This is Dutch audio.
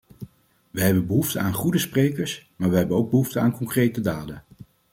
Wij hebben behoefte aan goede sprekers, maar we hebben ook behoefte aan concrete daden.